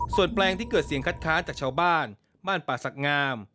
ส่วนแปลงที่เกิดเสียงคัดค้านจากชาวบ้านม่านป่าศักดิ์งาม